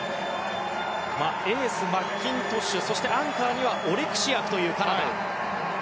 エースにマッキントッシュそして、アンカーにはオレクシアクというカナダ。